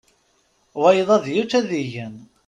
Wayeḍ ad yečč ad igen.